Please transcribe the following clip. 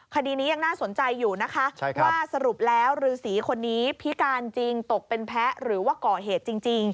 คดีนี้ยังน่าสนใจอยู่นะคะว่าสรุปแล้วฤษีคนนี้พิการจริงตกเป็นแพ้หรือว่าก่อเหตุจริง